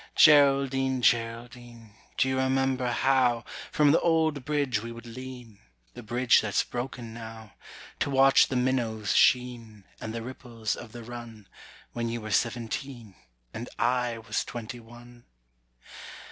Geraldine, Geraldine, Do you remember how From th' old bridge we would lean The bridge that's broken now To watch the minnows sheen, And the ripples of the Run, When you were seventeen, And I was twenty one?